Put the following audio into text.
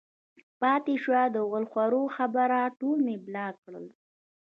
پاتې شوه د غول خورو خبره نو ټول مې بلاک کړل